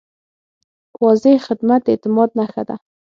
واضح خدمت د اعتماد نښه ده.